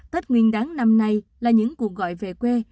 tết nguyên đáng năm nay là những cuộc gọi về quê